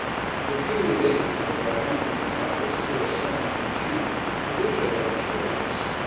The view within, from the ground—looking up, as through a slanted tube—is also very curious.